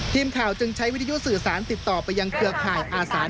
ทีมข่าวจึงใช้วิทยุสื่อสารติดต่อไปยังเครือข่ายอาสาน